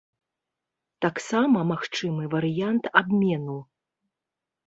Таксама магчымы варыянт абмену.